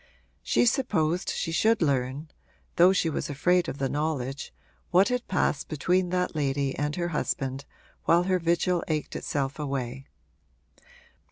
She supposed she should learn, though she was afraid of the knowledge, what had passed between that lady and her husband while her vigil ached itself away.